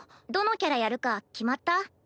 どのキャラやるか決まった？